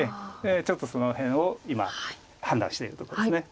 ちょっとその辺を今判断しているところです。